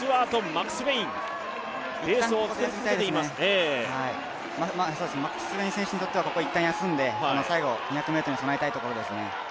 マクスウェイン選手にとっては、ここを一旦休んで、最後、２００ｍに備えたいところですね